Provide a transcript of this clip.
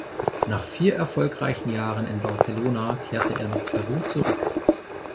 Nach vier erfolgreichen Jahren in Barcelona kehrte er nach Peru zurück.